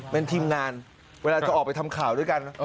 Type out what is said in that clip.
เป็นทีมงานเวลาจะออกไปทำข่าวด้วยกัน